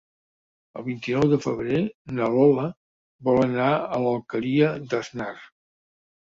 El vint-i-nou de febrer na Lola vol anar a l'Alqueria d'Asnar.